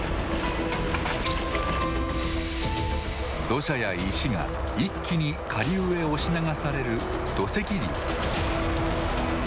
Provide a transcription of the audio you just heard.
土砂や石が一気に下流へ押し流される土石流。